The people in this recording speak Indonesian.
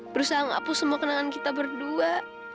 berusaha menghapus semua kenangan kita berdua